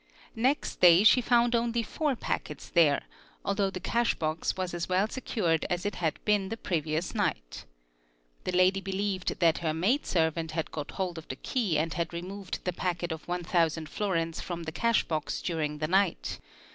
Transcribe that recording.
Next day she found only four packets there, although the cash box was as well secured as it had been the previous "night. The lady believed that her maid servant had got hold of the key 'and had removed the packet of 1,000 florins from the cash box during 'the night.